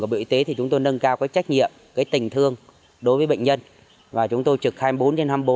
trong quá trình của bộ y tế thì chúng tôi nâng cao cái trách nhiệm cái tình thương đối với bệnh nhân và chúng tôi trực hai mươi bốn trên hai mươi bốn